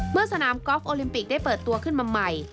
เมื่อสนามกอล์ฟโอลิมปิกได้เปิดตัวขึ้นมาใหม่